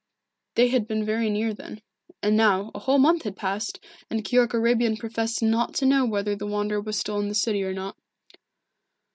They had been very near then. And now, a whole month had passed, and Keyork Arabian professed not to know whether the Wanderer was still in the city or not.